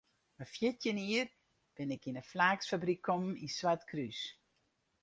Mei fjirtjin jier bin ik yn in flaaksfabryk kommen yn Swartkrús.